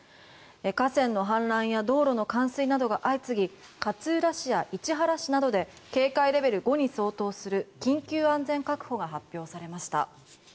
河川の氾濫や道路の冠水などが相次ぎ、勝浦市や市原市などで警戒レベル５に相当する緊急安全確保が発表されました。